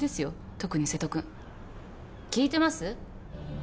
特に瀬戸君聞いてます？